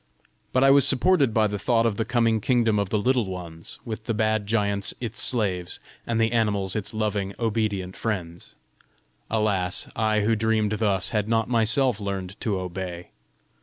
But I was supported by the thought of the coming kingdom of the Little Ones, with the bad giants its slaves, and the animals its loving, obedient friends! Alas, I who dreamed thus, had not myself learned to obey!